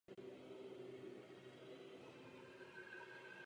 Hůř než Indiáni!